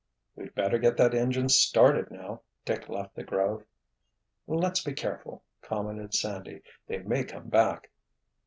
"We'd better get that engine started, now." Dick left the grove. "Let's be careful," commented Sandy. "They may come back."